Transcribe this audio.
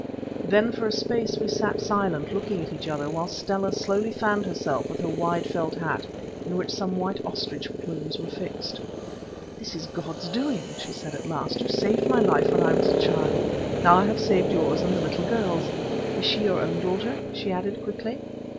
Then for a space we sat silent, looking at each other, while Stella slowly fanned herself with her wide felt hat, in which some white ostrich plumes were fixed. "This is God's doing," she said at last. "You saved my life when I was a child; now I have saved yours and the little girl's. Is she your own daughter?" she added, quickly.